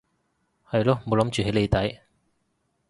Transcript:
係囉冇諗住起你底